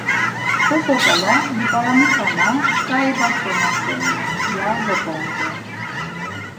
Bozo-ǩala dip̌aramitana ǩai datzonaseni ya zop̌ont̆u.